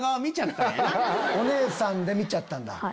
お姉さんで見ちゃったんだ。